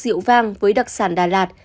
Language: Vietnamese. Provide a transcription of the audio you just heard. rượu vang với đặc sản đà lạt